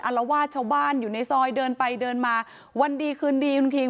ละวาดชาวบ้านอยู่ในซอยเดินไปเดินมาวันดีคืนดีคุณคิง